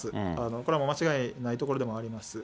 これはもう間違いないところでもあります。